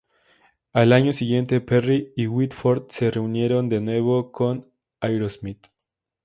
Al año siguiente Perry y Whitford se reunieron de nuevo con Aerosmith.